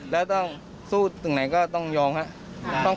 ถ้าต้องสู้รายการต่างกันต้องยอม